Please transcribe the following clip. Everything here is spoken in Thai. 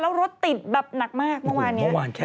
แล้วรถติดแบบหนักมากเมื่อวานนี้